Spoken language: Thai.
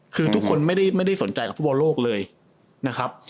คือทุกคนไม่ได้สนใจกับฟุตบอลโลกเลยนะครับ